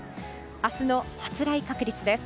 明日の発雷確率です。